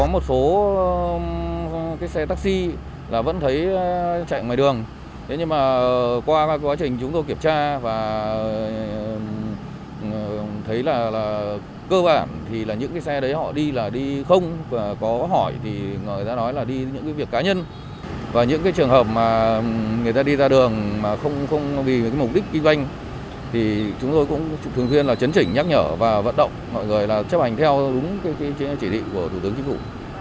mọi người là chấp hành theo đúng cái chỉ thị của thủ tướng chính phủ